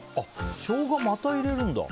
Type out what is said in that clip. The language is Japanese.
ショウガまた入れるんだ。